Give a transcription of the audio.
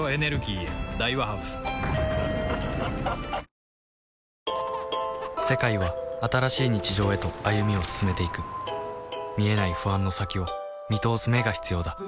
ハッハッハッハ世界は新しい日常へと歩みを進めていく見えない不安の先を見通す眼が必要だ